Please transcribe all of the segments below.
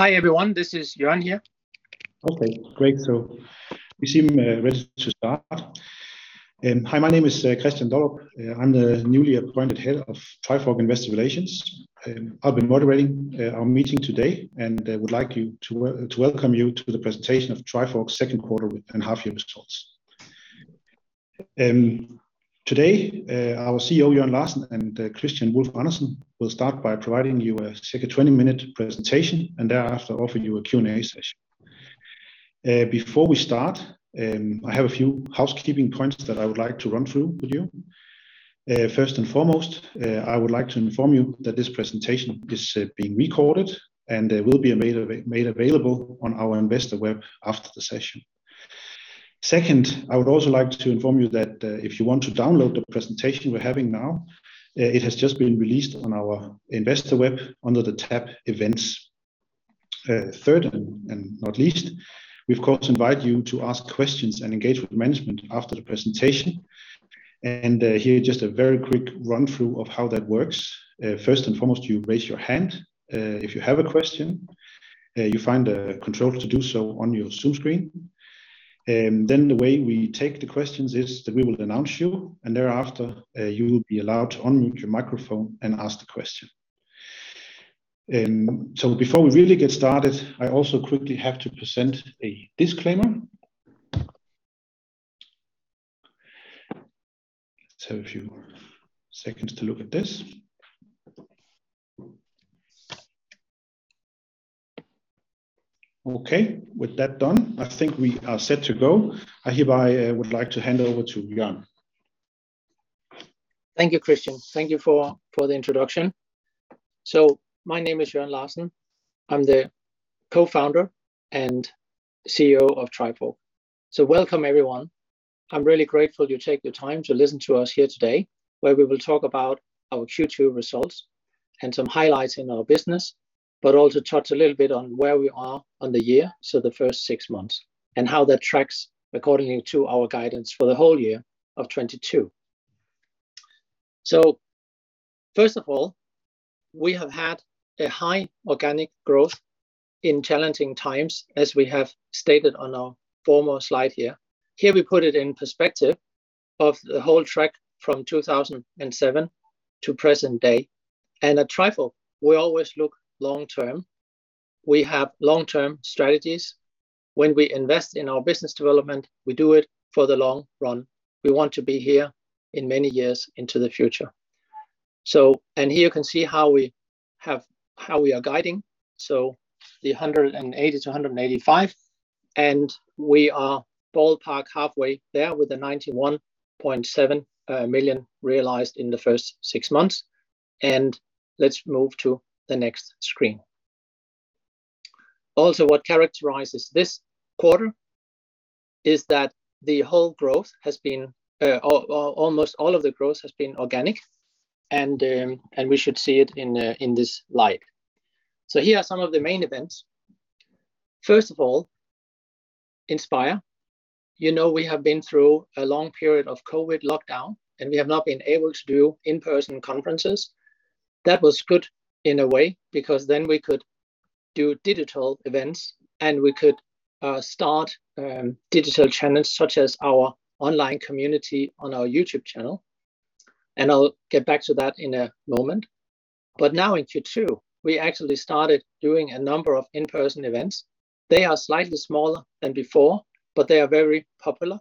Hi, everyone. This is Jørn here. Okay, great. We seem ready to start. Hi, my name is Kristian Dollerup. I'm the newly appointed head of Trifork Investor Relations. I'll be moderating our meeting today, and I would like to welcome you to the presentation of Trifork's second quarter and half year results. Today, our CEO, Jørn Larsen, and Kristian Wulf-Andersen, will start by providing you a 20-minute presentation, and thereafter offer you a Q&A session. Before we start, I have a few housekeeping points that I would like to run through with you. First and foremost, I would like to inform you that this presentation is being recorded and will be made available on our investor web after the session. Second, I would also like to inform you that, if you want to download the presentation we're having now, it has just been released on our investor web under the tab Events. Third, and not least, we of course invite you to ask questions and engage with management after the presentation. Here just a very quick run through of how that works. First and foremost, you raise your hand, if you have a question. You find a control to do so on your Zoom screen. The way we take the questions is that we will announce you, and thereafter, you will be allowed to unmute your microphone and ask the question. Before we really get started, I also quickly have to present a disclaimer. Just have a few seconds to look at this. Okay. With that done, I think we are set to go. I hereby would like to hand over to Jørn. Thank you, Kristian. Thank you for the introduction. My name is Jørn Larsen. I'm the co-founder and CEO of Trifork. Welcome, everyone. I'm really grateful you take the time to listen to us here today, where we will talk about our Q2 results and some highlights in our business, but also touch a little bit on where we are on the year, so the first six months, and how that tracks according to our guidance for the whole year of 2022. First of all, we have had a high organic growth in challenging times, as we have stated on our former slide here. Here we put it in perspective of the whole track from 2007 to present day. At Trifork, we always look long-term. We have long-term strategies. When we invest in our business development, we do it for the long run. We want to be here in many years into the future. Here you can see how we are guiding. The 180-185, and we are ballpark halfway there with the 91.7 million realized in the first six months. Let's move to the next screen. What characterizes this quarter is that the whole growth has been, or almost all of the growth has been organic, and we should see it in this light. Here are some of the main events. First of all, Inspire. You know, we have been through a long period of COVID lockdown, and we have not been able to do in-person conferences. That was good in a way, because then we could do digital events, and we could start digital channels such as our online community on our YouTube channel, and I'll get back to that in a moment. Now in Q2, we actually started doing a number of in-person events. They are slightly smaller than before, but they are very popular.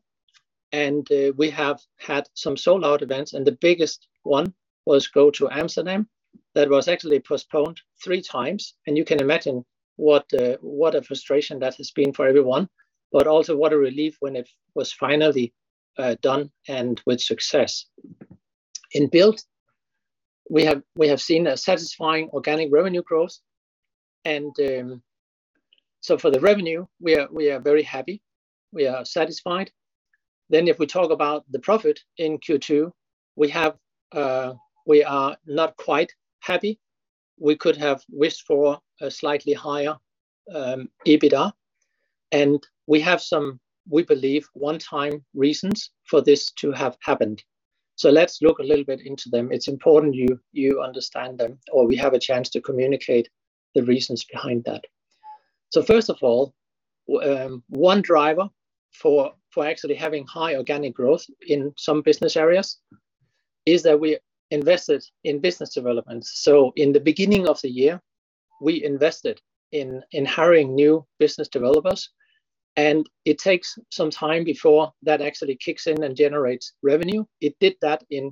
We have had some sold-out events, and the biggest one was GOTO Amsterdam. That was actually postponed three times, and you can imagine what a frustration that has been for everyone, but also what a relief when it was finally done and with success. In Build we have seen a satisfying organic revenue growth, and so for the revenue, we are very happy. We are satisfied. If we talk about the profit in Q2, we have, we are not quite happy. We could have wished for a slightly higher EBITDA, and we have some, we believe, one-time reasons for this to have happened. Let's look a little bit into them. It's important you understand them, or we have a chance to communicate the reasons behind that. First of all, one driver for actually having high organic growth in some business areas is that we invested in business development. In the beginning of the year, we invested in hiring new business developers, and it takes some time before that actually kicks in and generates revenue. It did that in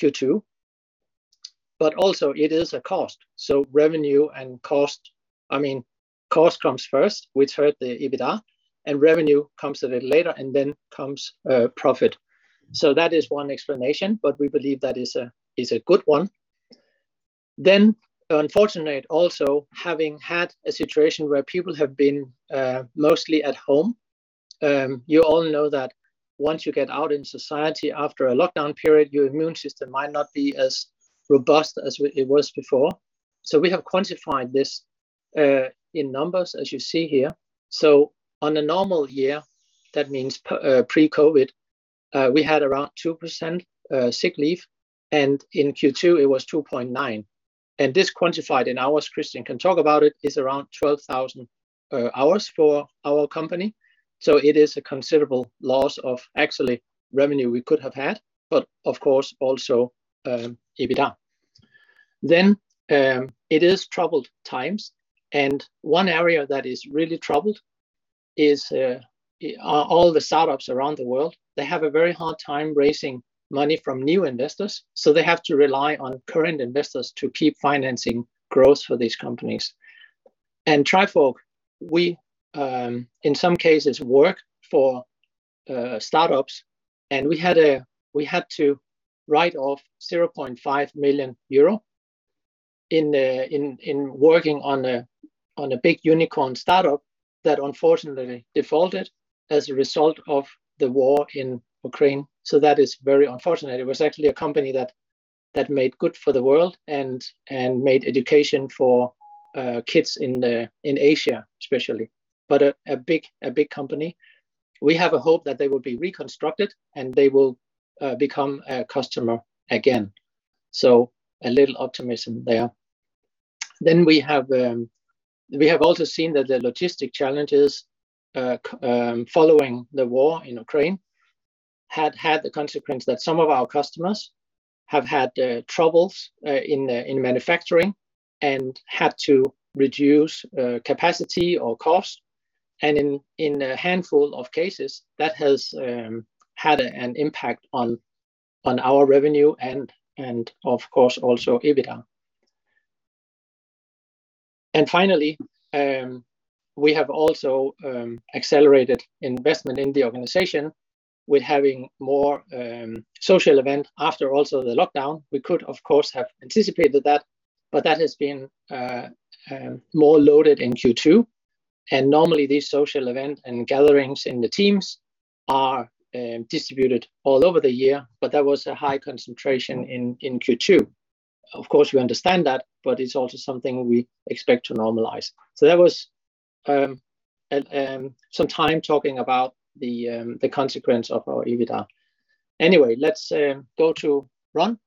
Q2, but also it is a cost. Revenue and cost—I mean, cost comes first, which hurt the EBITDA, and revenue comes a bit later, and then comes profit. That is one explanation, but we believe that is a good one. Unfortunately also having had a situation where people have been mostly at home, you all know that once you get out in society after a lockdown period, your immune system might not be as robust as it was before. We have quantified this in numbers as you see here. On a normal year, that means per pre-COVID, we had around 2% sick leave, and in Q2 it was 2.9%. This quantified in hours, Kristian can talk about it, is around 12,000 hours for our company. It is a considerable loss of actually revenue we could have had, but of course also EBITDA. It is troubled times, and one area that is really troubled is all the startups around the world. They have a very hard time raising money from new investors, so they have to rely on current investors to keep financing growth for these companies. Trifork, we in some cases work for startups, and we had to write off 0.5 million euro in working on a big unicorn startup that unfortunately defaulted as a result of the war in Ukraine. That is very unfortunate. It was actually a company that made good for the world and made education for kids in Asia especially. A big company. We have a hope that they will be reconstructed, and they will become a customer again. A little optimism there. We have also seen that the logistics challenges following the war in Ukraine had the consequence that some of our customers have had troubles in manufacturing and had to reduce capacity or cost. In a handful of cases, that has had an impact on our revenue and of course also EBITDA. Finally, we have also accelerated investment in the organization with having more social event after also the lockdown. We could of course have anticipated that, but that has been more loaded in Q2. Normally these social events and gatherings in the teams are distributed all over the year, but there was a high concentration in Q2. Of course, we understand that, but it's also something we expect to normalize. That was some time talking about the consequence of our EBITDA. Anyway, let's go to Run.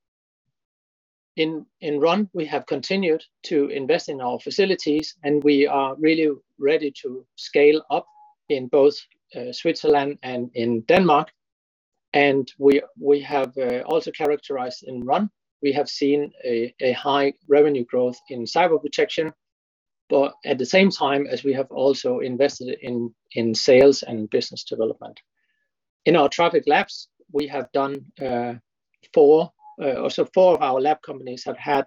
In Run, we have continued to invest in our facilities, and we are really ready to scale up in both Switzerland and in Denmark. We have also in Run seen a high revenue growth in cyber protection, but at the same time as we have also invested in sales and business development. In our Trifork Labs, we have done four of our lab companies have had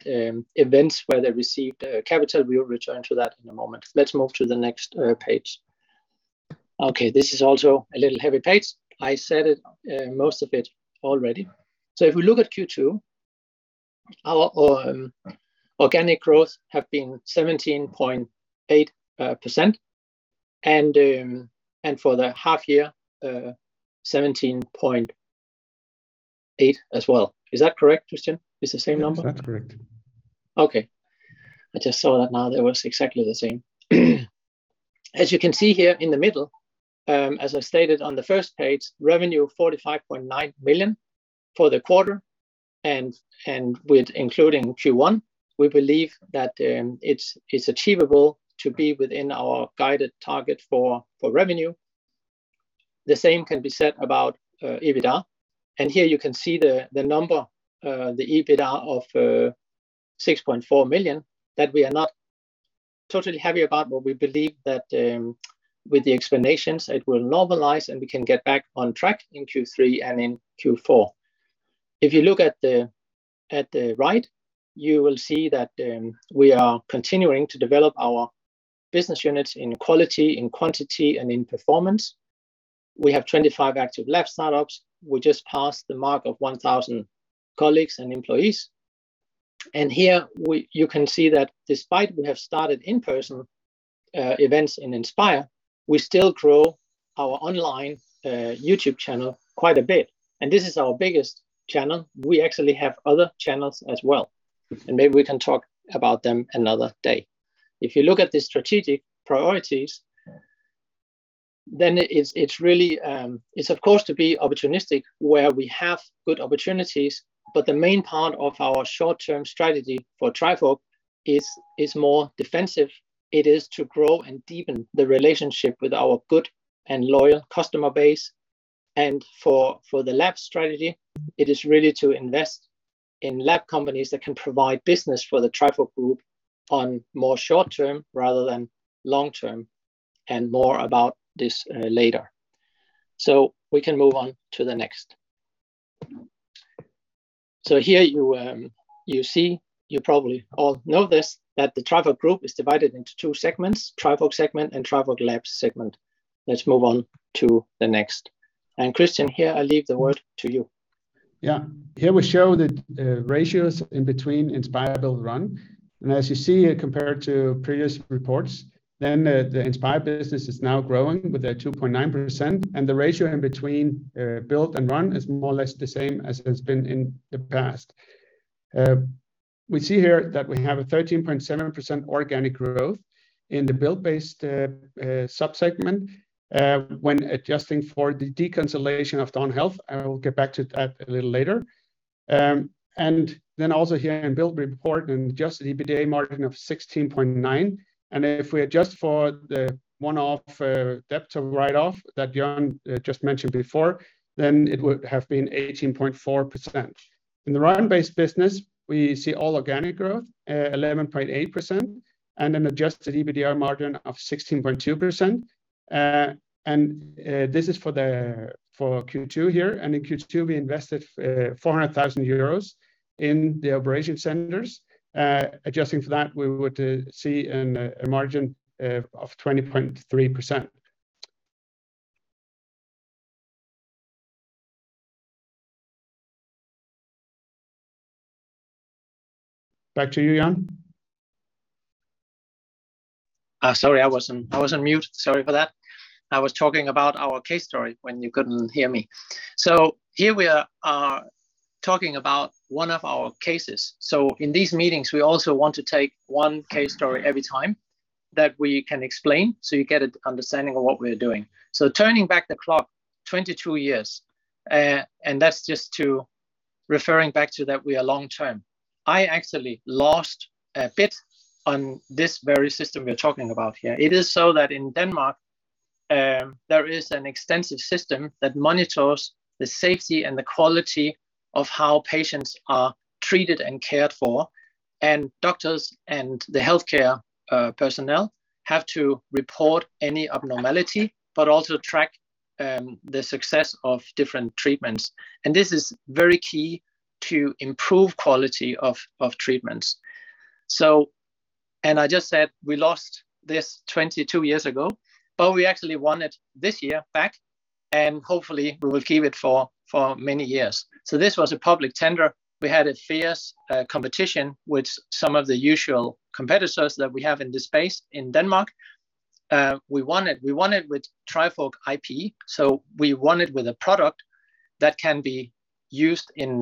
events where they received capital. We will return to that in a moment. Let's move to the next page. Okay, this is also a little heavy page. I said it most of it already. If we look at Q2, our organic growth have been 17.8%, and for the half year 17.8% as well. Is that correct, Kristian? It's the same number? Yeah, that's correct. Okay. I just saw that now. That was exactly the same. As you can see here in the middle, as I stated on the first page, revenue 45.9 million for the quarter and with including Q1, we believe that, it's achievable to be within our guided target for revenue. The same can be said about EBITDA. Here you can see the number, the EBITDA of 6.4 million that we are not totally happy about, but we believe that, with the explanations, it will normalize, and we can get back on track in Q3 and in Q4. If you look at the right, you will see that, we are continuing to develop our business units in quality, in quantity, and in performance. We have 25 active lab startups. We just passed the mark of 1,000 colleagues and employees. You can see that despite we have started in-person events in Inspire, we still grow our online YouTube channel quite a bit. This is our biggest channel. We actually have other channels as well, and maybe we can talk about them another day. If you look at the strategic priorities, then it's really it's of course to be opportunistic where we have good opportunities. The main part of our short-term strategy for Trifork is more defensive. It is to grow and deepen the relationship with our good and loyal customer base. For the Labs strategy, it is really to invest in Labs companies that can provide business for the Trifork Group on more short term rather than long term, and more about this later. We can move on to the next. Here you see, you probably all know this, that the Trifork Group is divided into two segments, Trifork segment and Trifork Labs segment. Let's move on to the next. Kristian, here I leave the word to you. Yeah. Here we show the ratios in between Inspire, Build, Run. As you see here compared to previous reports, the Inspire business is now growing with a 2.9%, and the ratio in between Build and Run is more or less the same as it's been in the past. We see here that we have a 13.7% organic growth in the Build-based sub-segment when adjusting for the deconsolidation of Dawn Health. I will get back to that a little later. Also here in Build report, an adjusted EBITDA margin of 16.9%. If we adjust for the one-off debtor write-off that Jørn just mentioned before, then it would have been 18.4%. In the run-based business, we see all organic growth, 11.8%, and an adjusted EBITDA margin of 16.2%. This is for Q2 here. In Q2, we invested 400 thousand euros in the operation centers. Adjusting for that, we would see a margin of 20.3%. Back to you, Jørn. Sorry, I was on mute. Sorry for that. I was talking about our case story when you couldn't hear me. Here we are talking about one of our cases. In these meetings, we also want to take one case story every time that we can explain, so you get an understanding of what we're doing. Turning back the clock 22 years, and that's just to referring back to that we are long-term. I actually lost a bid on this very system we're talking about here. It is so that in Denmark, there is an extensive system that monitors the safety and the quality of how patients are treated and cared for, and doctors and the healthcare personnel have to report any abnormality, but also track the success of different treatments. This is very key to improve quality of treatments. I just said we lost this 22 years ago, but we actually won it back this year, and hopefully we will keep it for many years. This was a public tender. We had a fierce competition with some of the usual competitors that we have in this space in Denmark. We won it. We won it with Trifork IP, so we won it with a product that can be used in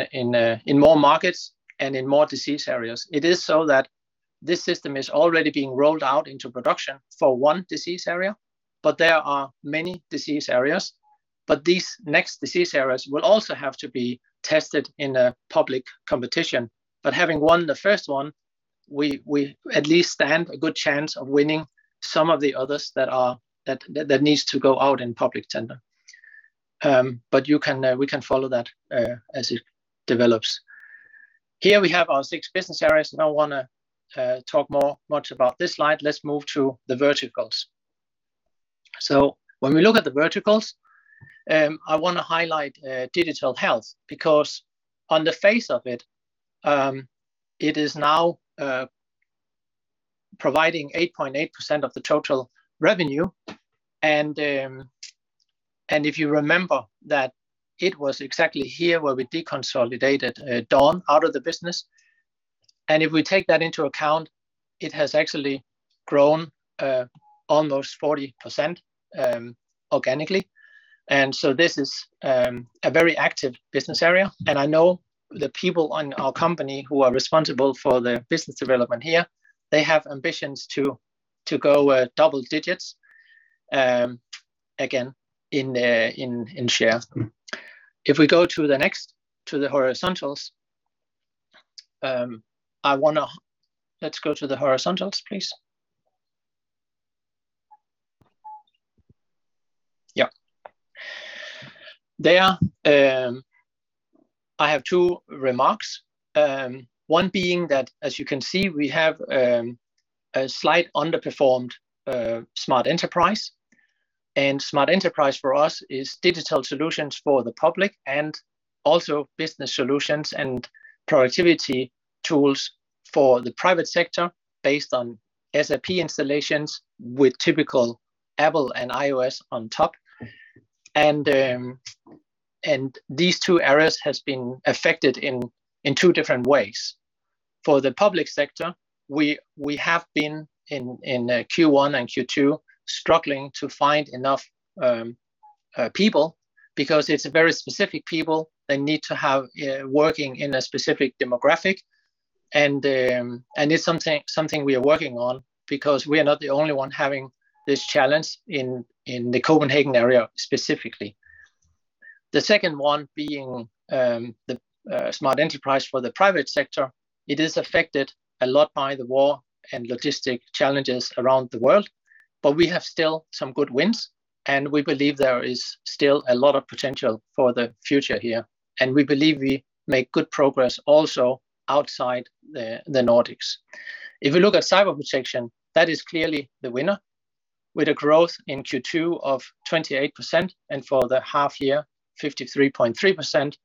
more markets and in more disease areas. It is so that this system is already being rolled out into production for one disease area, but there are many disease areas. These next disease areas will also have to be tested in a public competition. Having won the first one, we at least stand a good chance of winning some of the others that needs to go out in public tender. We can follow that as it develops. Here we have our six business areas. I don't wanna talk much about this slide. Let's move to the verticals. When we look at the verticals, I wanna highlight digital health because on the face of it is now providing 8.8% of the total revenue. If you remember that it was exactly here where we deconsolidated Dawn out of the business. If we take that into account, it has actually grown almost 40% organically. This is a very active business area. I know the people in our company who are responsible for the business development here, they have ambitions to go double digits again in share. If we go to the horizontals, let's go to the horizontals, please. Then I have two remarks. One being that, as you can see, we have a slight underperformance in Smart Enterprise. Smart Enterprise for us is digital solutions for the public and also business solutions and productivity tools for the private sector based on SAP installations with typical Apple and iOS on top. These two areas has been affected in two different ways. For the public sector, we have been in Q1 and Q2 struggling to find enough people because it's a very specific people they need to have working in a specific demographic. It's something we are working on because we are not the only one having this challenge in the Copenhagen area specifically. The second one being the smart enterprise for the private sector. It is affected a lot by the war and logistics challenges around the world, but we have still some good wins, and we believe there is still a lot of potential for the future here. We believe we make good progress also outside the Nordics. If you look at cyber protection, that is clearly the winner with a growth in Q2 of 28%, and for the half year, 53.3%.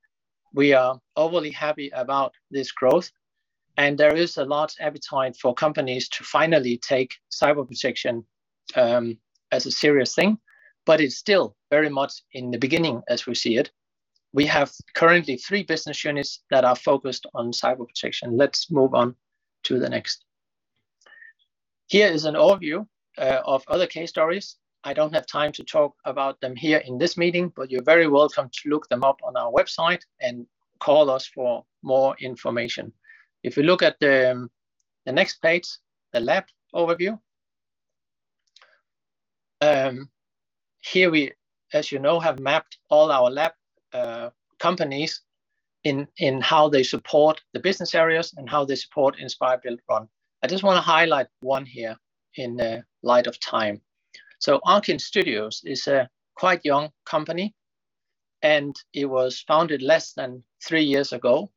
We are overly happy about this growth, and there is a large appetite for companies to finally take cyber protection as a serious thing. It's still very much in the beginning as we see it. We have currently three business units that are focused on cyber protection. Let's move on to the next. Here is an overview of other case stories. I don't have time to talk about them here in this meeting, but you're very welcome to look them up on our website and call us for more information. If you look at the next page, the Labs overview. Here we, as you know, have mapped all our Labs companies in how they support the business areas and how they support Inspire, Build, Run. I just wanna highlight one here in the light of time. Arkyn Studios is a quite young company, and it was founded less than three years ago.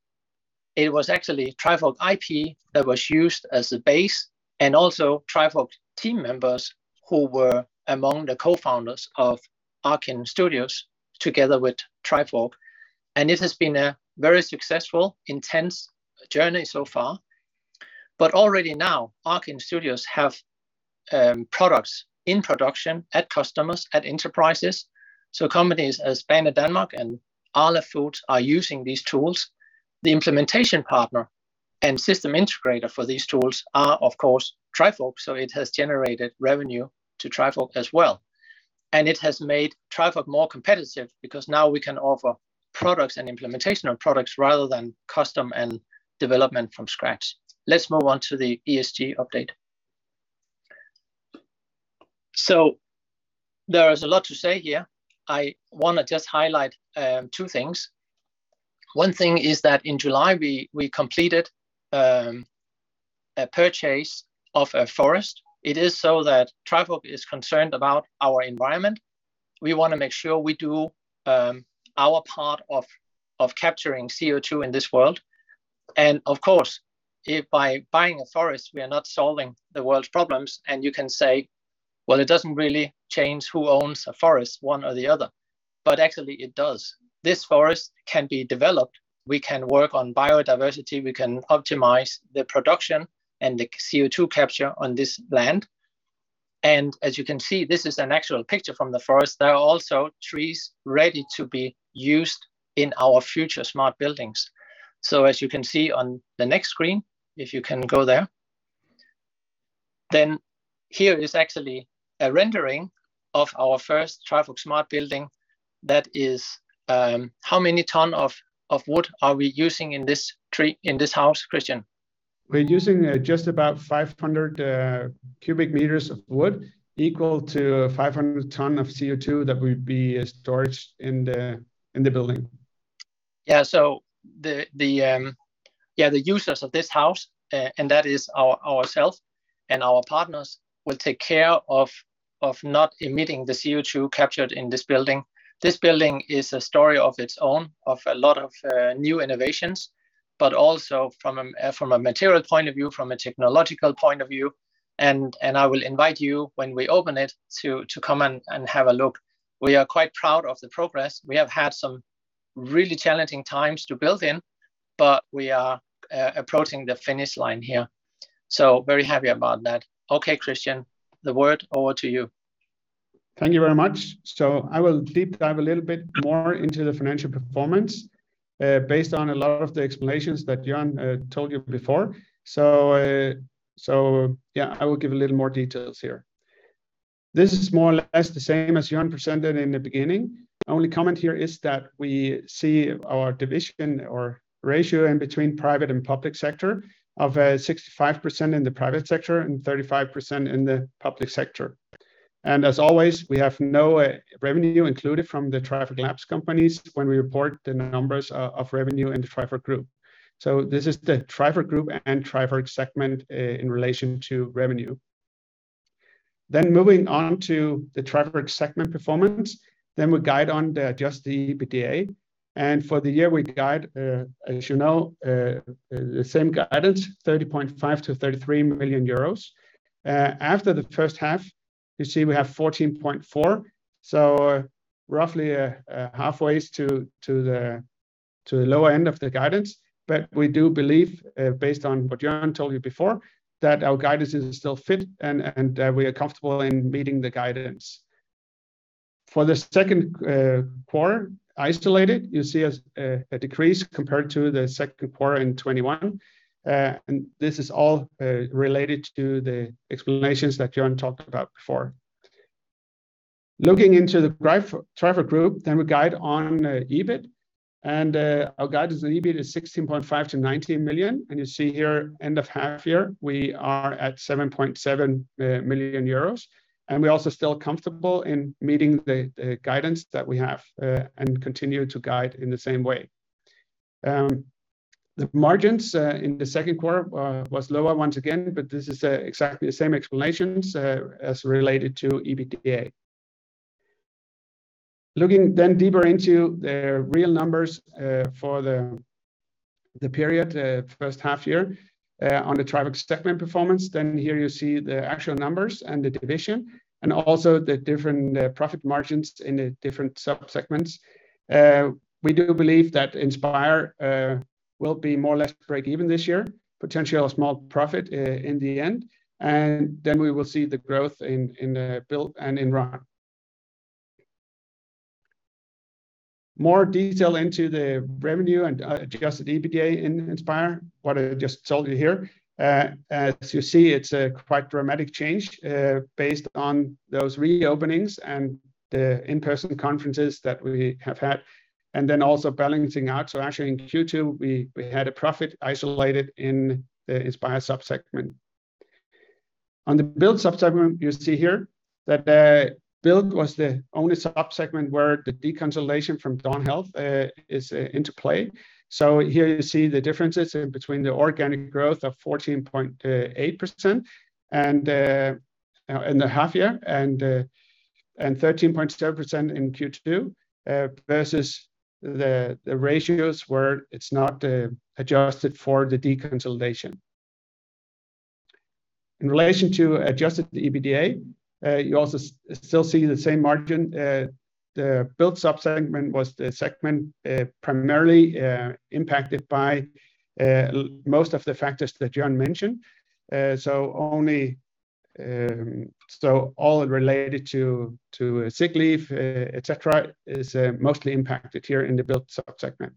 It was actually Trifork IP that was used as a base, and also Trifork team members who were among the co-founders of Arkyn Studios together with Trifork, and it has been a very successful, intense journey so far. Already now, Arkyn Studios have products in production at customers, at enterprises. Companies as Banedanmark and Arla Foods are using these tools. The implementation partner and system integrator for these tools are of course Trifork, so it has generated revenue to Trifork as well. It has made Trifork more competitive because now we can offer products and implementation of products rather than custom and development from scratch. Let's move on to the ESG update. There is a lot to say here. I wanna just highlight two things. One thing is that in July we completed a purchase of a forest. It is so that Trifork is concerned about our environment. We wanna make sure we do our part of capturing CO2 in this world. Of course, if by buying a forest we are not solving the world's problems and you can say, "Well, it doesn't really change who owns a forest, one or the other." Actually it does. This forest can be developed. We can work on biodiversity. We can optimize the production and the CO2 capture on this land. As you can see, this is an actual picture from the forest. There are also trees ready to be used in our future smart buildings. As you can see on the next screen, if you can go there, then here is actually a rendering of our first Trifork smart building. That is, how many tons of wood are we using in this house, Kristian? We're using just about 500 cubic meters of wood, equal to 500 tons of CO2 that will be stored in the building. The users of this house, and that is ourselves and our partners, will take care of not emitting the CO2 captured in this building. This building is a story of its own, of a lot of new innovations, but also from a material point of view, from a technological point of view. I will invite you when we open it to come and have a look. We are quite proud of the progress. We have had some really challenging times to build in, but we are approaching the finish line here. Very happy about that. Okay, Kristian, the word over to you. Thank you very much. I will deep dive a little bit more into the financial performance, based on a lot of the explanations that Jørn told you before. I will give a little more details here. This is more or less the same as Jørn presented in the beginning. Only comment here is that we see our division or ratio in between private and public sector of 65% in the private sector and 35% in the public sector. As always, we have no revenue included from the Trifork Labs companies when we report the numbers of revenue in the Trifork Group. This is the Trifork Group and Trifork segment in relation to revenue. Moving on to the Trifork segment performance, we guide on the adjusted EBITDA. For the year we guide, as you know, the same guidance, 30.5 million-33 million euros. After the first half, you see we have 14.4 million, so roughly, halfway to the lower end of the guidance. We do believe, based on what Jørn told you before, that our guidance is still fit and we are comfortable in meeting the guidance. For the second quarter, isolated, you see a decrease compared to the second quarter in 2021. This is all related to the explanations that Jørn talked about before. Looking into the Trifork Group, then we guide on EBIT, and our guidance on EBIT is 16.5 million-19 million. You see here, end of half year, we are at 7.7 million euros. We're also still comfortable in meeting the guidance that we have and continue to guide in the same way. The margins in the second quarter was lower once again, but this is exactly the same explanations as related to EBITDA. Looking then deeper into the real numbers for the period first half year on the Trifork segment performance, then here you see the actual numbers and the division, and also the different profit margins in the different sub-segments. We do believe that Inspire will be more or less breakeven this year, potentially a small profit in the end, and then we will see the growth in the Build and in Run. More detail into the revenue and adjusted EBITDA in Inspire, what I just told you here. As you see, it's a quite dramatic change based on those reopenings and the in-person conferences that we have had, and then also balancing out. Actually, in Q2, we had a profit isolated in the Inspire subsegment. On the Build subsegment, you see here that the Build was the only subsegment where the deconsolidation from Dawn Health is into play. Here you see the differences between the organic growth of 14.8% in the half year and 13.2% in Q2 versus the ratios where it's not adjusted for the deconsolidation. In relation to adjusted EBITDA, you also still see the same margin. The Build subsegment was the segment primarily impacted by most of the factors that Jørn mentioned. All related to sick leave, et cetera, is mostly impacted here in the Build subsegment.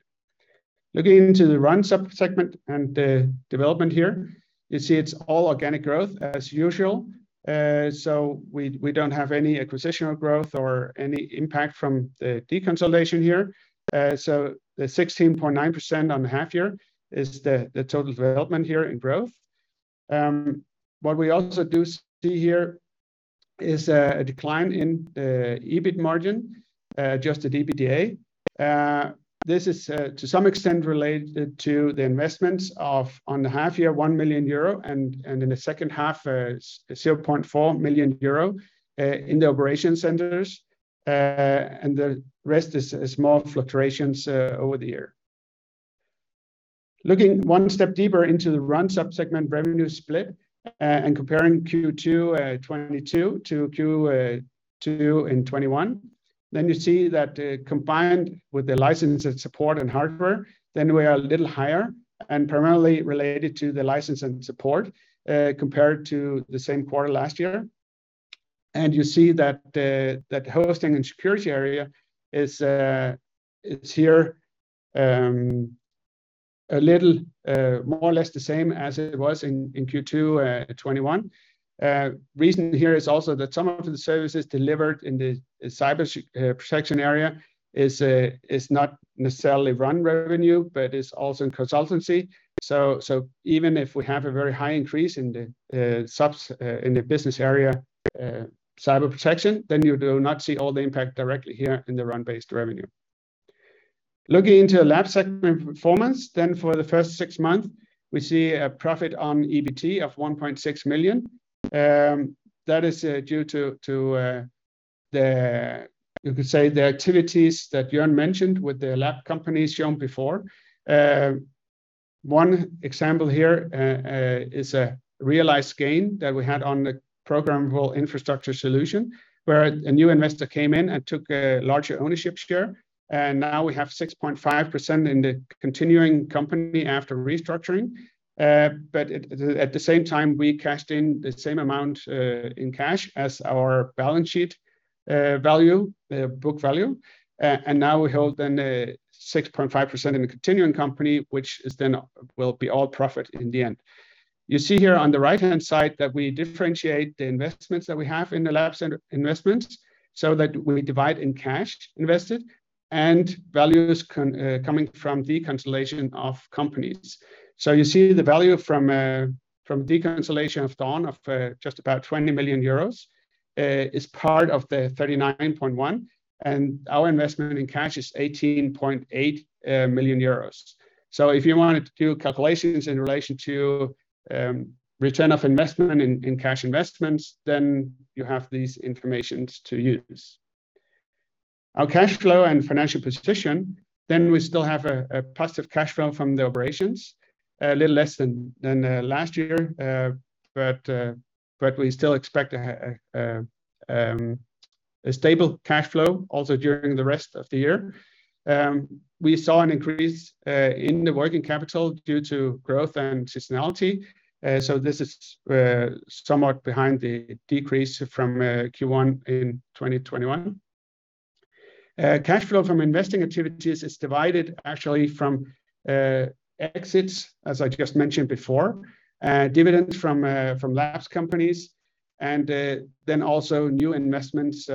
Looking into the Run subsegment and the development here, you see it's all organic growth as usual. We don't have any acquisitional growth or any impact from the deconsolidation here. The 16.9% on half year is the total development here in growth. What we also do see here is a decline in EBIT margin, adjusted EBITDA. This is to some extent related to the investments in the first half year, 1 million euro and in the second half, 0.4 million euro, in the operation centers. The rest is more fluctuations over the year. Looking one step deeper into the Run subsegment revenue split and comparing Q2 2022 to Q2 in 2021, then you see that, combined with the license and support and hardware, then we are a little higher and primarily related to the license and support, compared to the same quarter last year. You see that hosting and security area is here a little more or less the same as it was in Q2 2021. Reason here is also that some of the services delivered in the Cyber protection area is not necessarily Run revenue, but is also in consultancy. Even if we have a very high increase in the subs in the business area Cyber protection, then you do not see all the impact directly here in the Run-based revenue. Looking into the labs segment performance for the first six months, we see a profit on EBT of 1.6 million. That is due to the activities that Jørn mentioned with the lab companies shown before. One example here is a realized gain that we had on the Programmable Infrastructure Solution, where a new investor came in and took a larger ownership share. Now we have 6.5% in the continuing company after restructuring. At the same time, we cashed in the same amount in cash as our balance sheet value, book value. Now we hold a 6.5% in the continuing company, which then will be all profit in the end. You see here on the right-hand side that we differentiate the investments that we have in the Labs and investments, so that we divide in cash invested and values coming from deconsolidation of companies. You see the value from deconsolidation of Dawn of just about 20 million euros is part of the 39.1, and our investment in cash is 18.8 million euros. If you wanted to do calculations in relation to return on investment in cash investments, then you have this information to use. Our cash flow and financial position. We still have a positive cash flow from the operations, a little less than last year. We still expect a stable cash flow also during the rest of the year. We saw an increase in the working capital due to growth and seasonality. This is somewhat behind the decrease from Q1 in 2021. Cash flow from investing activities is derived actually from exits, as I just mentioned before, dividends from Labs companies, and then also new investments.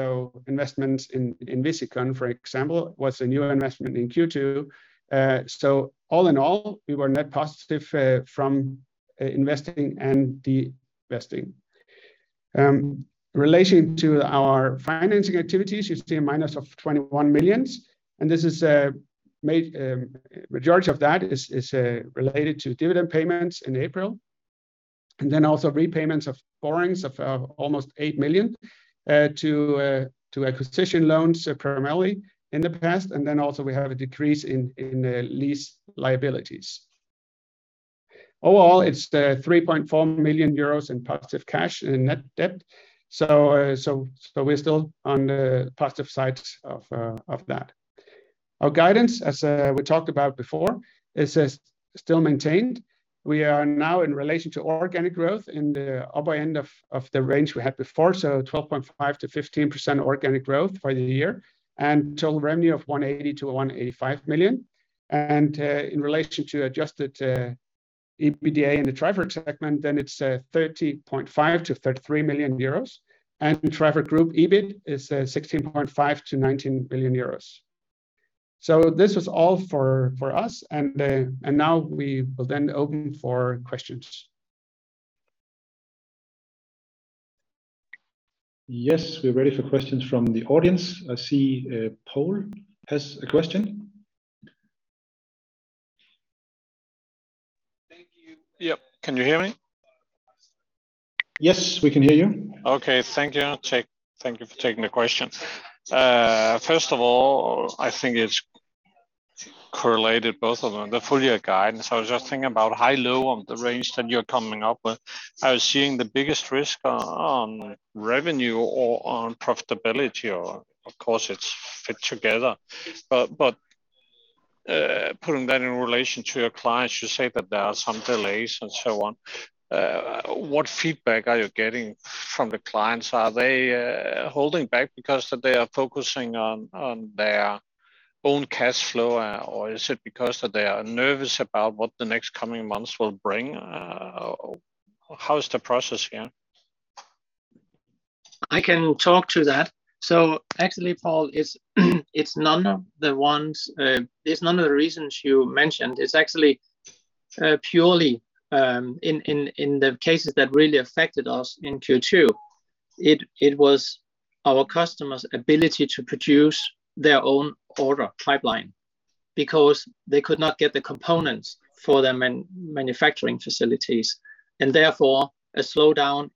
Investments in Visikon, for example, was a new investment in Q2. All in all, we were net positive from investing and divesting. Relating to our financing activities, you see a minus of 21 million, and this is majority of that is related to dividend payments in April, and then also repayments of borrowings of almost 8 million to acquisition loans primarily in the past. We also have a decrease in lease liabilities. Overall, it's the 3.4 million euros in positive cash in net debt. We're still on the positive side of that. Our guidance, as we talked about before, is still maintained. We are now in relation to organic growth in the upper end of the range we had before, so 12.5%-15% organic growth for the year and total revenue of 180 million-185 million. In relation to adjusted. EBITDA in the Trifork segment, then it's 30.5 million-33 million euros. Trifork Group EBIT is 16.5 million-19 million euros. This was all for us, and now we will then open for questions. Yes, we're ready for questions from the audience. I see Poul has a question. Thank you. Yep, can you hear me? Yes, we can hear you. Okay, thank you. Thank you for taking the question. First of all, I think it's correlated, both of them, the full year guidance. I was just thinking about high-low on the range that you're coming up with. I was seeing the biggest risk on revenue or on profitability or, of course, it's fit together. Putting that in relation to your clients, you say that there are some delays and so on. What feedback are you getting from the clients? Are they holding back because that they are focusing on their own cash flow? Or is it because that they are nervous about what the next coming months will bring? How is the process here? I can talk to that. Actually, Poul, it's none of the ones, it's none of the reasons you mentioned. It's actually purely in the cases that really affected us in Q2, it was our customers' ability to produce their own order pipeline because they could not get the components for their manufacturing facilities, and therefore a slowdown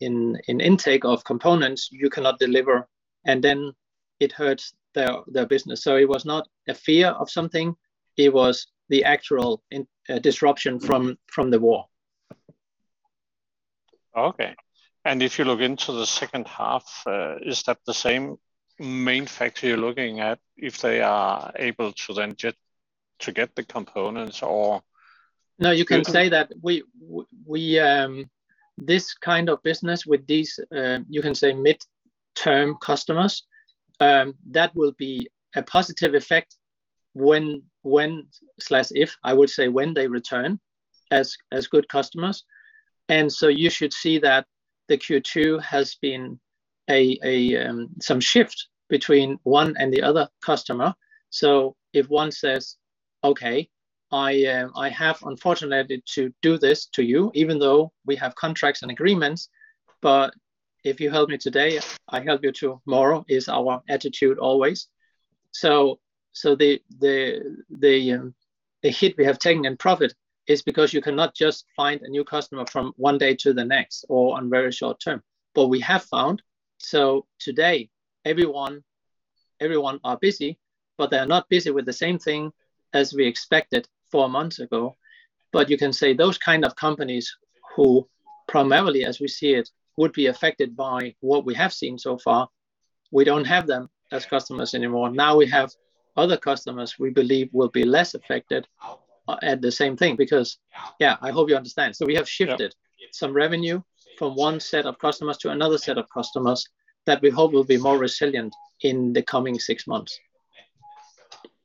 in intake of components you cannot deliver, and then it hurts their business. It was not a fear of something, it was the actual disruption from the war. Okay. If you look into the second half, is that the same main factor you're looking at if they are able to then get the components or? No, you can say that this kind of business with these, you can say mid-term customers, that will be a positive effect when/if, I would say when they return as good customers. You should see that the Q2 has been a some shift between one and the other customer. If one says, "Okay, I have unfortunately to do this to you even though we have contracts and agreements," but if you help me today, I help you tomorrow, is our attitude always. The hit we have taken in profit is because you cannot just find a new customer from one day to the next or on very short term. We have found, so today everyone are busy, but they are not busy with the same thing as we expected four months ago. You can say those kind of companies who primarily, as we see it, would be affected by what we have seen so far, we don't have them as customers anymore. Now we have other customers we believe will be less affected at the same thing. Yeah, I hope you understand. We have shifted some revenue from one set of customers to another set of customers that we hope will be more resilient in the coming six months.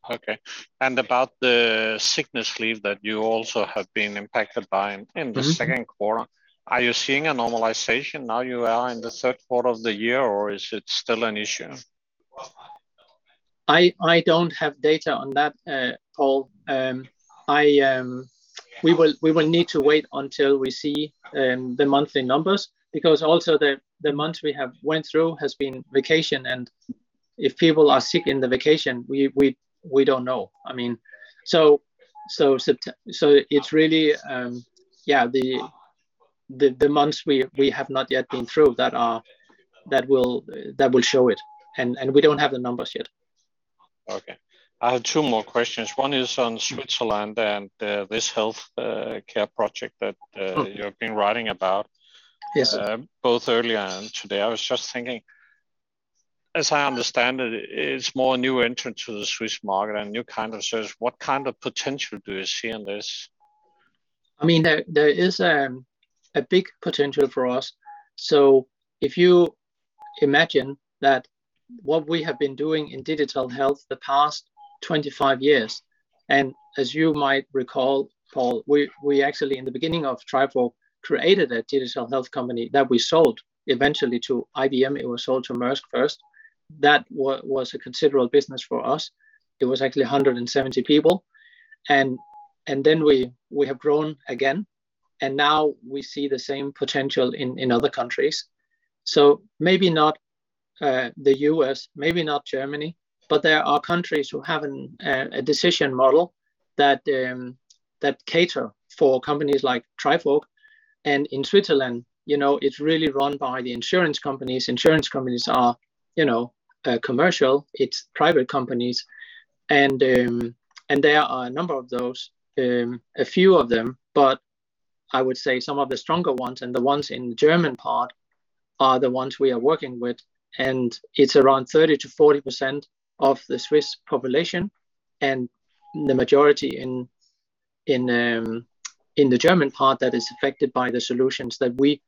Okay. About the sickness leave that you also have been impacted by in the second quarter- Mm-hmm. Are you seeing a normalization now you are in the third quarter of the year, or is it still an issue? I don't have data on that, Poul. We will need to wait until we see the monthly numbers because also the months we have went through has been vacation, and if people are sick in the vacation, we don't know. It's really the months we have not yet been through that will show it and we don't have the numbers yet. Okay. I have two more questions. One is on Switzerland and this health care project that you've been writing about. Yes, sir. Both earlier and today. I was just thinking, as I understand it's more a new entrance to the Swiss market and new kind of service. What kind of potential do you see in this? I mean, there is a big potential for us. If you imagine that what we have been doing in digital health the past 25 years, and as you might recall, Poul, we actually in the beginning of Trifork created a digital health company that we sold eventually to IBM. It was sold to Maersk first. That was a considerable business for us. It was actually 170 people. We have grown again, and now we see the same potential in other countries. Maybe not the U.S., maybe not Germany, but there are countries who have a decision model that cater for companies like Trifork. In Switzerland, you know, it's really run by the insurance companies. Insurance companies are, you know, commercial, it's private companies. There are a number of those, a few of them. I would say some of the stronger ones and the ones in the German part are the ones we are working with, and it's around 30%-40% of the Swiss population, and the majority in the German part that is affected by the solutions that we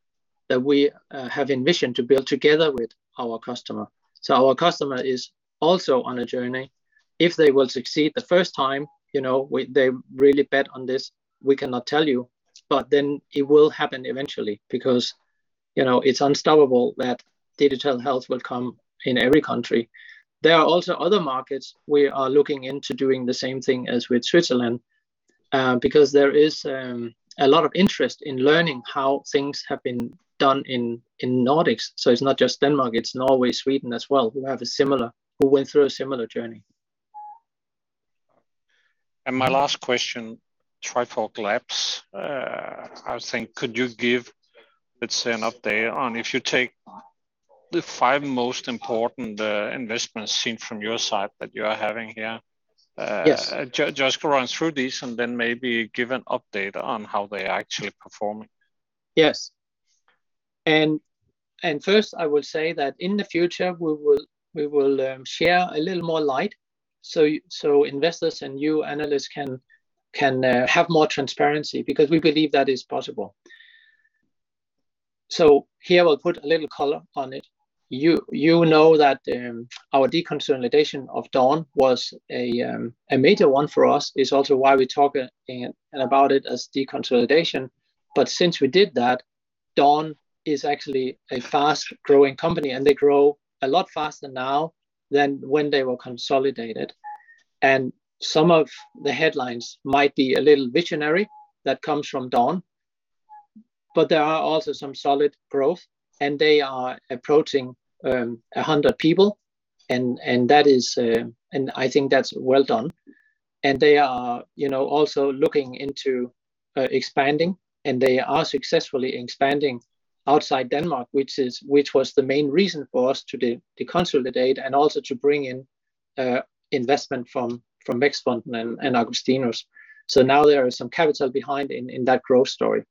have envisioned to build together with our customer. Our customer is also on a journey. If they will succeed the first time, you know, they really bet on this, we cannot tell you. Then it will happen eventually because, you know, it's unstoppable that digital health will come in every country. There are also other markets we are looking into doing the same thing as with Switzerland, because there is a lot of interest in learning how things have been done in Nordics. It's not just Denmark, it's Norway, Sweden as well, who went through a similar journey. My last question, Trifork Labs, I was thinking could you give, let's say, an update on if you take the five most important investments seen from your side that you are having here? Yes. Just run through these and then maybe give an update on how they are actually performing. Yes. First I will say that in the future, we will share a little more light, so investors and you analysts can have more transparency because we believe that is possible. Here I will put a little color on it. You know that our deconsolidation of Dawn was a major one for us. It's also why we talk about it as deconsolidation. Since we did that, Dawn is actually a fast-growing company, and they grow a lot faster now than when they were consolidated. Some of the headlines might be a little visionary that comes from Dawn, but there are also some solid growth, and they are approaching 100 people, and that is, and I think that's well done. They are, you know, also looking into expanding, and they are successfully expanding outside Denmark, which was the main reason for us to deconsolidate and also to bring in investment from Vækstfonden and Augustinus. Now there is some capital behind in that growth story.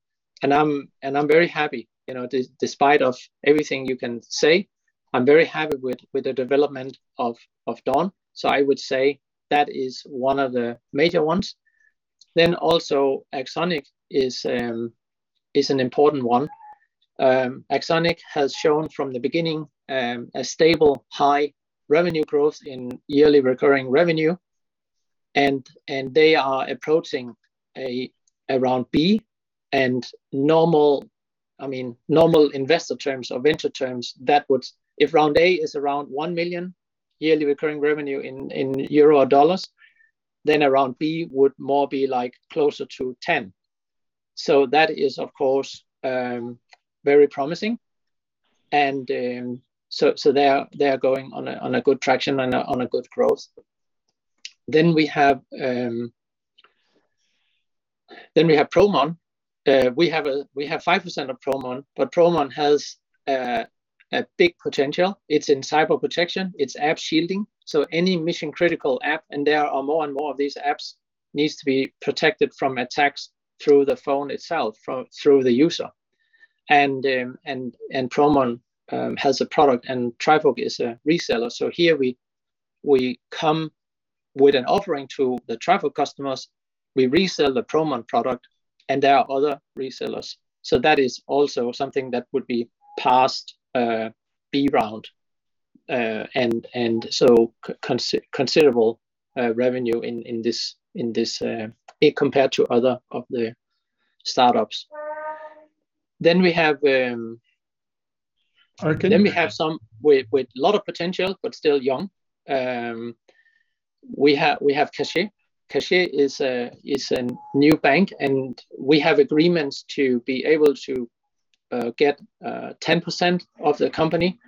I'm very happy. You know, despite of everything you can say, I'm very happy with the development of Dawn. I would say that is one of the major ones. AxonIQ is an important one. AxonIQ has shown from the beginning a stable high revenue growth in yearly recurring revenue and they are approaching a round B and normal I mean normal investor terms or venture terms that would. If round A is around 1 million or $1 million yearly recurring revenue in euro or dollars, then a round B would more be like closer to 10 million or $10 million. That is of course very promising. They are going on a good traction and on a good growth. We have Promon. We have 5% of Promon, but Promon has a big potential. It's in cyber protection. It's app shielding, so any mission-critical app, and there are more and more of these apps, needs to be protected from attacks through the phone itself, through the user. Promon has a product and Trifork is a reseller. Here we come with an offering to the Trifork customers. We resell the Promon product, and there are other resellers. That is also something that would be past B round. Considerable revenue in this compared to other of the startups. We have Okay. We have some with a lot of potential but still young. We have Kashet. Kashet is a new bank, and we have agreements to be able to get 10% of the company.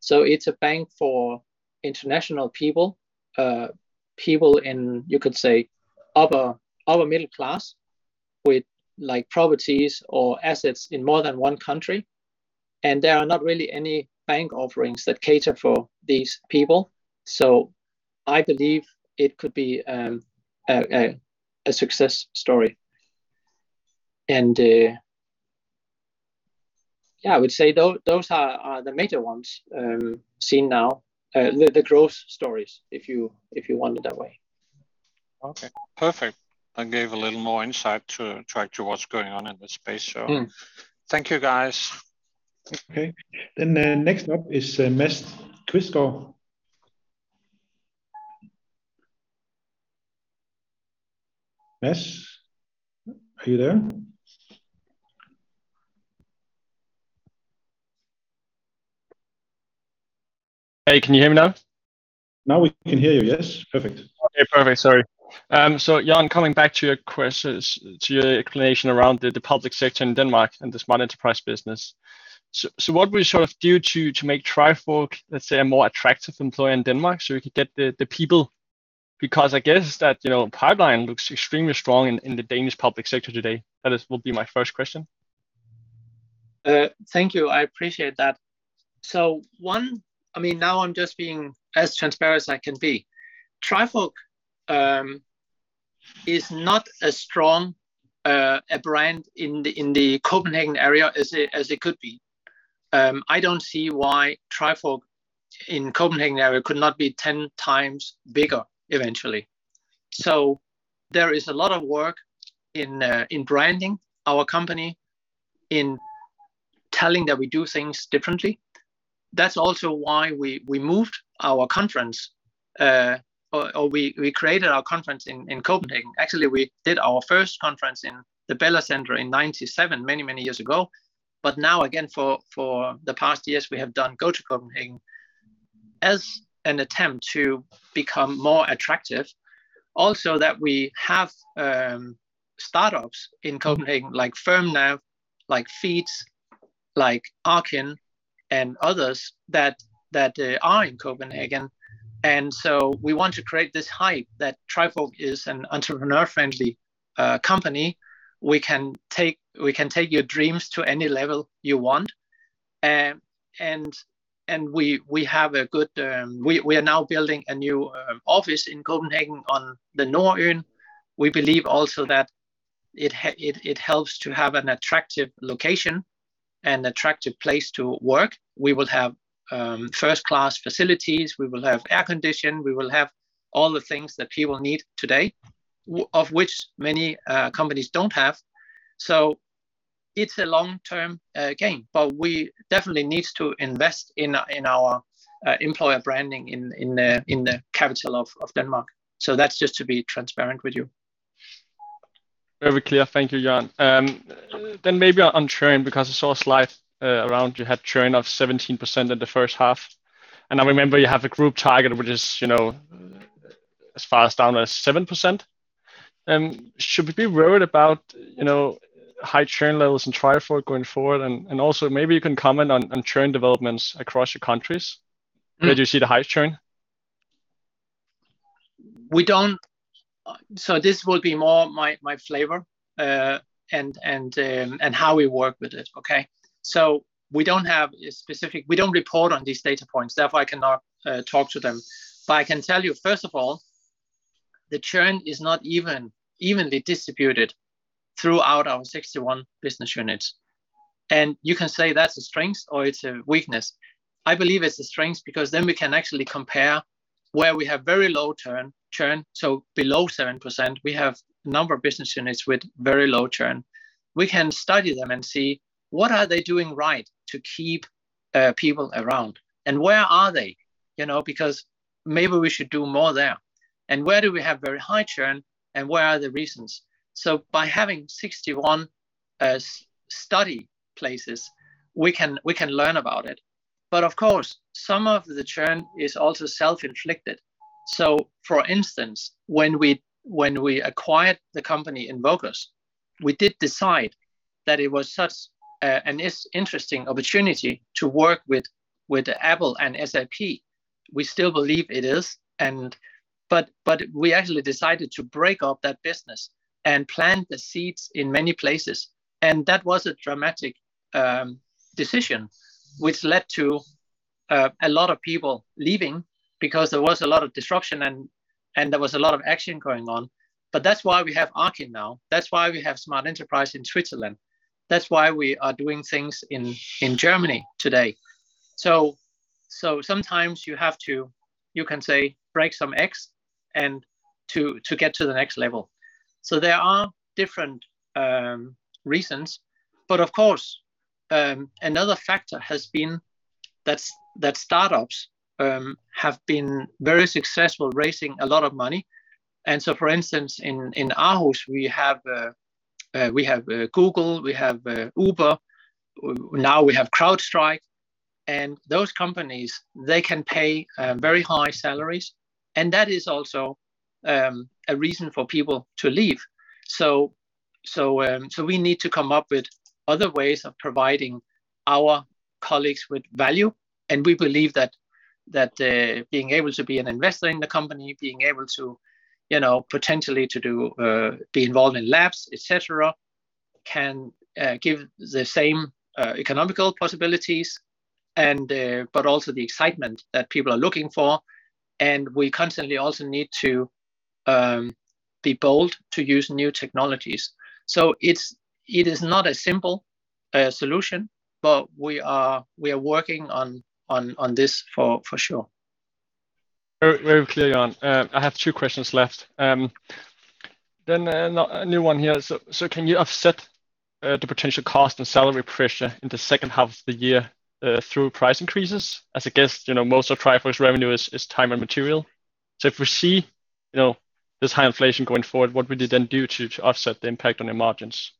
So it's a bank for international people in, you could say, upper middle class with like properties or assets in more than one country, and there are not really any bank offerings that cater for these people. So I believe it could be a success story. Yeah, I would say those are the major ones seen now. The growth stories if you want it that way. Okay. Perfect. That gave a little more insight into what's going on in this space. Mm. Thank you, guys. Okay. Next up is Mads Quistgaard. Mads, are you there? Hey, can you hear me now? Now we can hear you, yes. Perfect. Okay, perfect. Sorry. Jørn, coming back to your questions, to your explanation around the public sector in Denmark and the Smart Enterprise business. What we sort of do to make Trifork, let's say, a more attractive employer in Denmark, so we can get the people? Because I guess that, you know, pipeline looks extremely strong in the Danish public sector today. That would be my first question. Thank you. I appreciate that. I mean, now I'm just being as transparent as I can be. Trifork is not as strong a brand in the Copenhagen area as it could be. I don't see why Trifork in Copenhagen area could not be 10 times bigger eventually. There is a lot of work in branding our company, in telling that we do things differently. That's also why we moved our conference, or we created our conference in Copenhagen. Actually, we did our first conference in the Bella Center in 1997, many years ago. Now, again, for the past years, we have done GOTO Copenhagen as an attempt to become more attractive. Also, that we have startups in Copenhagen like FirmLab, like Feedz, like Arkyn and others that are in Copenhagen. We want to create this hype that Trifork is an entrepreneur-friendly company. We can take your dreams to any level you want. We are now building a new office in Copenhagen on the Nordhavn. We believe also that it helps to have an attractive location and attractive place to work. We will have first-class facilities. We will have air conditioning. We will have all the things that people need today, of which many companies don't have. It's a long-term game, but we definitely need to invest in our employer branding in the capital of Denmark. That's just to be transparent with you. Very clear. Thank you, Jørn. Maybe on churn, because I saw a slide around you had churn of 17% in the first half. I remember you have a group target which is, you know, as far as down as 7%. Should we be worried about, you know, high churn levels in Trifork going forward? Also maybe you can comment on churn developments across your countries. Mm. Where do you see the highest churn? This will be more my flavor, and how we work with it. Okay? We don't have a specific. We don't report on these data points, therefore, I cannot talk to them. I can tell you, first of all, the churn is not even evenly distributed throughout our 61 business units. You can say that's a strength or it's a weakness. I believe it's a strength because then we can actually compare where we have very low churn, so below 7%. We have a number of business units with very low churn. We can study them and see what are they doing right to keep people around, and where are they, you know, because maybe we should do more there. Where do we have very high churn, and where are the reasons? By having 61 study places, we can learn about it. Of course, some of the churn is also self-inflicted. For instance, when we acquired the company Invokers, we did decide that it was such an interesting opportunity to work with Apple and SAP. We still believe it is, but we actually decided to break up that business and plant the seeds in many places. That was a dramatic decision which led to a lot of people leaving because there was a lot of disruption and there was a lot of action going on. That's why we have Arkyn now. That's why we have Smart Enterprise in Switzerland. That's why we are doing things in Germany today. Sometimes you have to, you can say, break some eggs and to get to the next level. There are different reasons. Of course, another factor has been that startups have been very successful raising a lot of money. For instance, in Aarhus, we have Google, we have Uber. Now we have CrowdStrike. Those companies, they can pay very high salaries, and that is also a reason for people to leave. We need to come up with other ways of providing our colleagues with value. We believe being able to be an investor in the company, being able to, you know, potentially to do be involved in labs, et cetera, can give the same economic possibilities and but also the excitement that people are looking for. We constantly also need to be bold to use new technologies. It is not a simple solution, but we are working on this for sure. Very clear, Jørn. I have two questions left. Then another new one here. Can you offset the potential cost and salary pressure in the second half of the year through price increases? As I guess, you know, most of Trifork's revenue is time and material. If we see, you know, this high inflation going forward, what would you then do to offset the impact on your margins?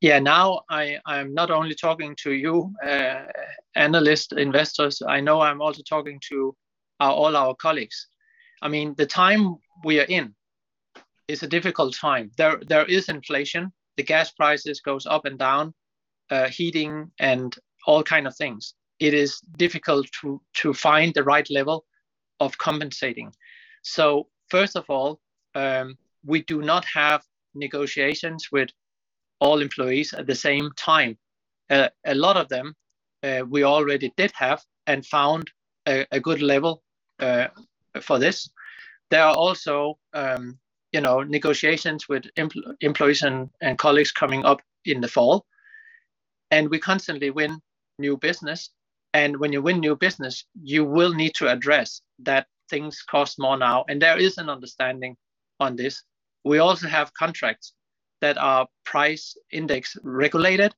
Yeah. Now I'm not only talking to you, analysts, investors. I know I'm also talking to all our colleagues. I mean, the time we are in is a difficult time. There is inflation. The gas prices goes up and down, heating and all kind of things. It is difficult to find the right level of compensation. First of all, we do not have negotiations with all employees at the same time. A lot of them, we already did have and found a good level for this. There are also, you know, negotiations with employees and colleagues coming up in the fall. We constantly win new business, and when you win new business, you will need to address that things cost more now, and there is an understanding on this. We also have contracts that are price index regulated,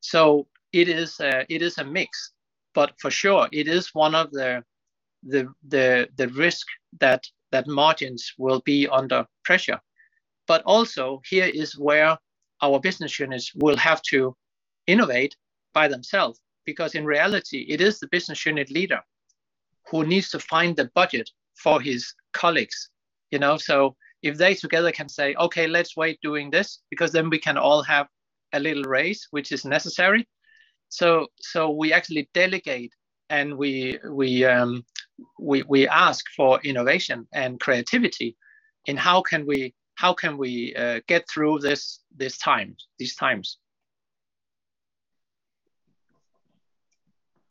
so it is a mix. For sure, it is one of the risk that margins will be under pressure. Also, here is where our business units will have to innovate by themselves, because in reality, it is the business unit leader who needs to find the budget for his colleagues, you know? If they together can say, "Okay, let's wait doing this, because then we can all have a little raise," which is necessary. We actually delegate, and we ask for innovation and creativity in how can we get through these times?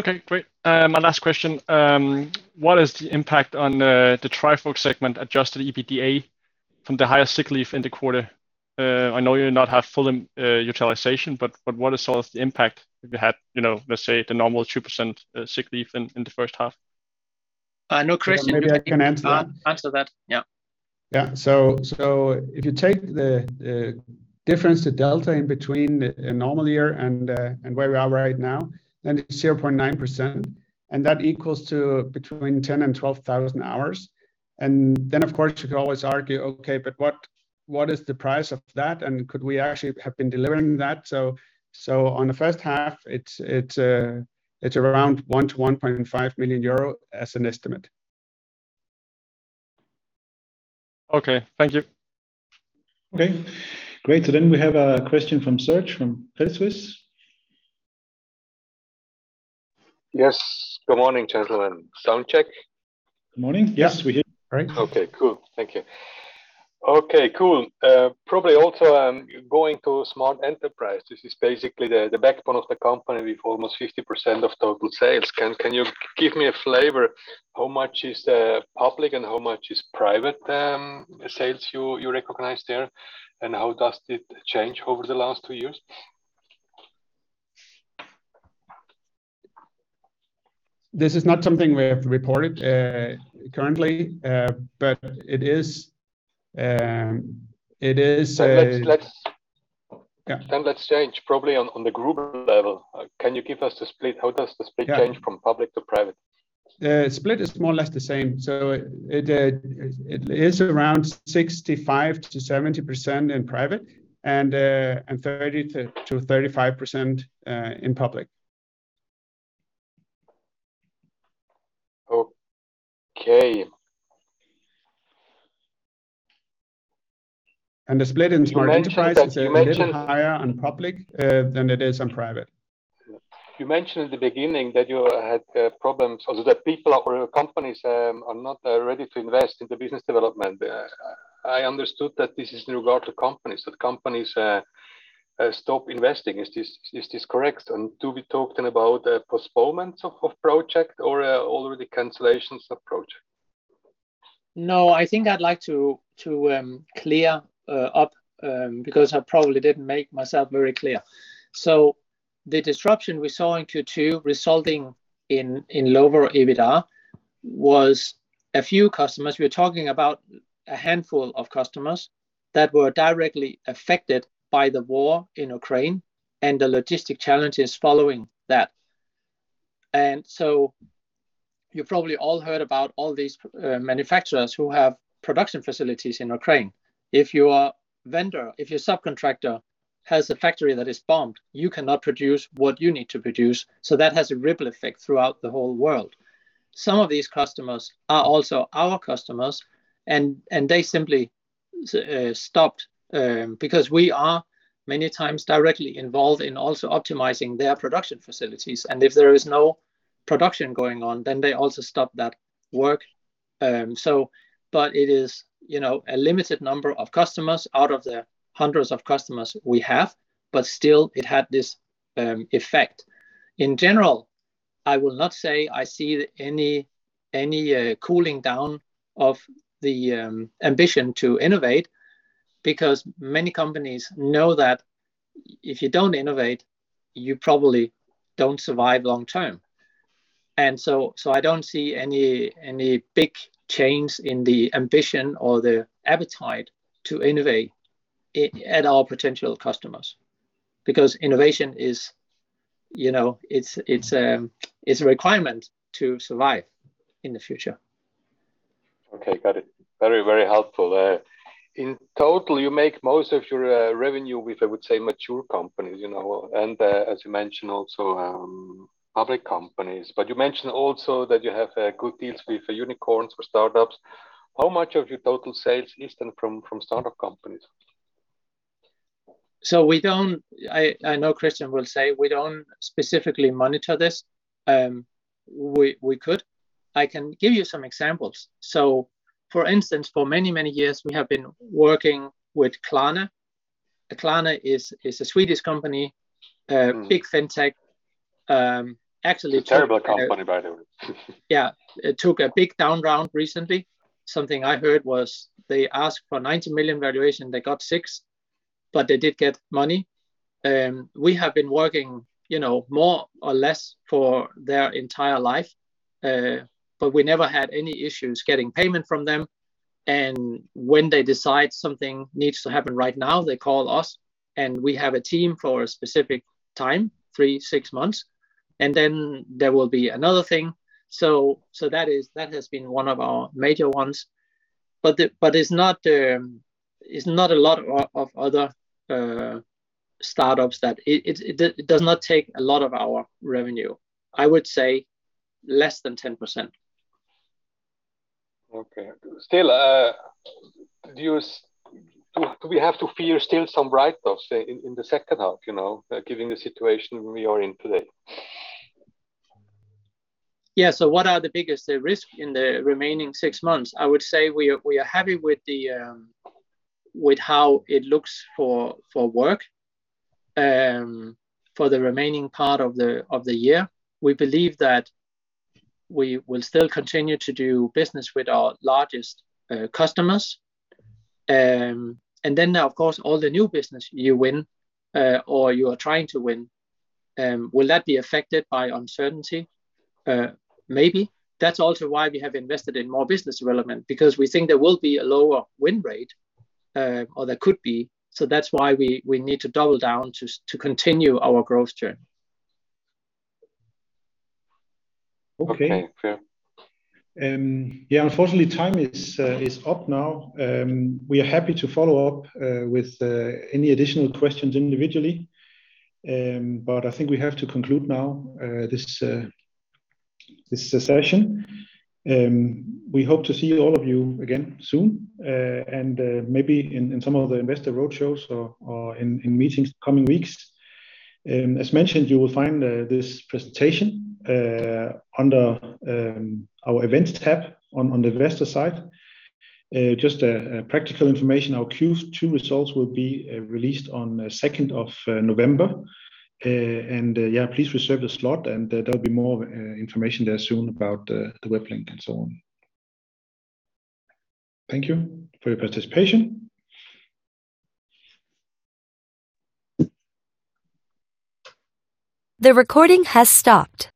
Okay. Great. My last question, what is the impact on the Trifork segment adjusted EBITDA from the higher sick leave in the quarter? I know you not have full utilization, but what is sort of the impact if you had, you know, let's say, the normal 2% sick leave in the first half? No, Kristian- Maybe I can answer that. Answer that. Yeah. If you take the difference, the delta between a normal year and where we are right now, then it's 0.9%, and that equals between 10,000 and 12,000 hours. Then, of course, you could always argue, okay, but what is the price of that, and could we actually have been delivering that? On the first half, it's around 1 million- 1.5 million euro as an estimate. Okay. Thank you. Okay. Great. We have a question from Serge from Credit Suisse. Yes. Good morning, gentlemen. Sound check. Good morning. Yes, we hear you great. Okay. Cool. Thank you. Probably also going to Smart Enterprise. This is basically the backbone of the company with almost 50% of total sales. Can you give me a flavor how much is public and how much is private sales you recognize there, and how does it change over the last two years? This is not something we have reported currently, but it is. Then let's- Yeah Let's change probably on the group level. Can you give us the split? How does the split- Yeah Change from public to private? Split is more or less the same. It is around 65%-70% in private and 30%-35% in public. Okay. The split in Smart Enterprise. You mentioned.... is a little higher on public than it is on private. You mentioned at the beginning that you had problems or that people or companies are not ready to invest in the business development. I understood that this is in regard to companies that stop investing. Is this correct? Are we talking about postponements of projects or already cancellations approach? No, I think I'd like to clear up because I probably didn't make myself very clear. The disruption we saw in Q2 resulting in lower EBITDA was a few customers. We're talking about a handful of customers that were directly affected by the war in Ukraine and the logistics challenges following that. You've probably all heard about all these manufacturers who have production facilities in Ukraine. If your vendor, if your subcontractor has a factory that is bombed, you cannot produce what you need to produce, so that has a ripple effect throughout the whole world. Some of these customers are also our customers and they simply stopped because we are many times directly involved in also optimizing their production facilities, and if there is no production going on, then they also stop that work. It is, you know, a limited number of customers out of the hundreds of customers we have, but still it had this effect. In general, I will not say I see any cooling down of the ambition to innovate because many companies know that if you don't innovate, you probably don't survive long term. I don't see any big change in the ambition or the appetite to innovate at our potential customers because innovation is, you know, it's a requirement to survive in the future. Okay. Got it. Very, very helpful. In total, you make most of your revenue with, I would say, mature companies, you know, and as you mentioned also, public companies. You mentioned also that you have good deals with unicorns, with startups. How much of your total sales is from startup companies? I know Kristian will say we don't specifically monitor this. We could. I can give you some examples. For instance, for many, many years, we have been working with Klarna. Klarna is a Swedish company, a big fintech. It's a terrible company, by the way. Yeah. It took a big down round recently. Something I heard was they asked for 90 million valuation, they got 6 million, but they did get money. We have been working, you know, more or less for their entire life. But we never had any issues getting payment from them. When they decide something needs to happen right now, they call us, and we have a team for a specific time, three, six months, and then there will be another thing. That has been one of our major ones. But it's not a lot of other startups. It does not take a lot of our revenue. I would say less than 10%. Okay. Still, do we have to fear still some write-offs in the second half, you know, given the situation we are in today? Yeah. What are the biggest risk in the remaining six months? I would say we are happy with how it looks for work for the remaining part of the year. We believe that we will still continue to do business with our largest customers. Now, of course, all the new business you win or you are trying to win, will that be affected by uncertainty? Maybe. That's also why we have invested in more business development because we think there will be a lower win rate or there could be. That's why we need to double down to continue our growth journey. Okay. Fair. Yeah, unfortunately time is up now. We are happy to follow up with any additional questions individually. I think we have to conclude now this session. We hope to see all of you again soon, and maybe in some of the investor roadshows or in meetings coming weeks. As mentioned, you will find this presentation under our Events tab on the investor site. Just practical information. Our Q2 results will be released on 2nd of November. Please reserve the slot, and there'll be more information there soon about the web link and so on. Thank you for your participation. The recording has stopped.